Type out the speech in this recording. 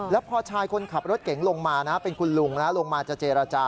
แล้วพอชายคนขับรถเก๋งลงมานะเป็นคุณลุงนะลงมาจะเจรจา